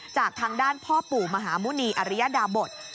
จากทางด้านพ่อปู่มหาหมุณีอริยดาบท